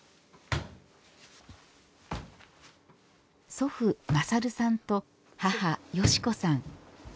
祖父・勝さんと母・嘉子さん。